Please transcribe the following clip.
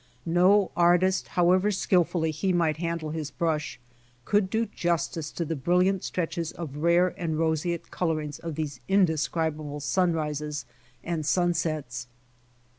No artist, how ever skillfully he might handle his brush, could do justice to the brilliant stretches of rare and roseate colorings of thc'se indescribable sunrises and sunsets.